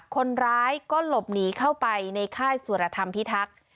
คนร้ายก็หลบหนีเข้าไปในค่ายสุรธรรมพิทักษ์